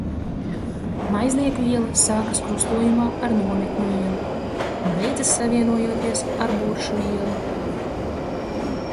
Maiznieku iela sākas krustojumā ar Nometņu ielu un beidzas savienojoties ar Buršu ielu.